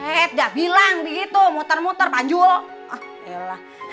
eh udah bilang gitu muter muter panjul